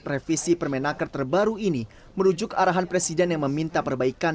revisi permenaker terbaru ini merujuk arahan presiden yang meminta perbaikan